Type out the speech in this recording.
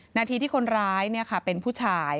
นาทีที่คนร้ายเป็นผู้ชาย